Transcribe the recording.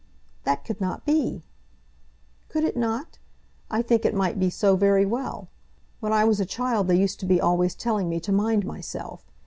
"That could not be!" "Could it not? I think it might be so very well. When I was a child they used to be always telling me to mind myself.